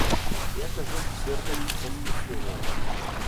Я хожу в церковь в воскресенье.